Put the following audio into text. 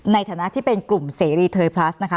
ในฐานะที่เป็นกลุ่มเสรีเทยพลัสนะคะ